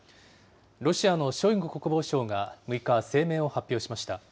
ロシアのショイグ国防相が６日、声明を発表しました。